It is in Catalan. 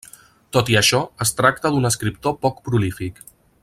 Tot i això, es tracta d'un escriptor poc prolífic.